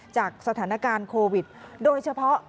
ในฐานะการณ์โควิดโดยเฉพาะ